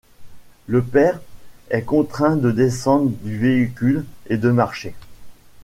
Le Père est contraint de descendre du véhicule et de marcher.